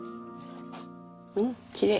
うんきれい。